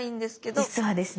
実はですね